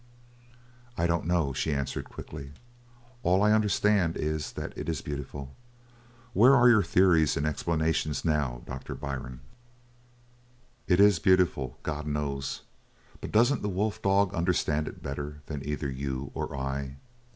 "I don't know," she answered quickly. "All I understand is that it is beautiful. Where are your theories and explanations now, Doctor Byrne?". "It is beautiful God knows! but doesn't the wolf dog understand it better than either you or I?"